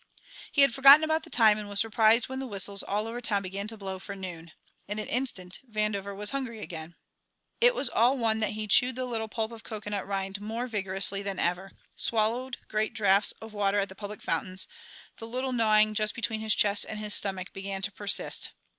He had forgotten about the time and was surprised when the whistles all over the town began to blow for noon. In an instant Vandover was hungry again. It was all one that he chewed the little pulp of cocoanut rind more vigorously than ever, swallowed great draughts of water at the public fountains; the little gnawing just between his chest and his stomach began to persist.